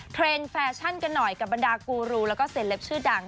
เทรนด์แฟชั่นกันหน่อยกับบรรดากูรูแล้วก็เซลปชื่อดัง